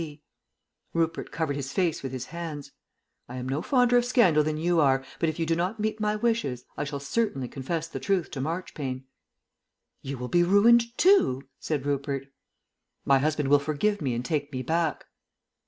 B.C." (Rupert covered his face with his hands.) "I am no fonder of scandal than you are, but if you do not meet my wishes I shall certainly confess the truth to Marchpane." "You will be ruined too!" said Rupert. "My husband will forgive me and take me back."